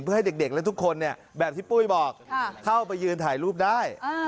เพื่อให้เด็กและทุกคนแบบที่ปุ้ยบอกเข้าไปยืนถ่ายรูปได้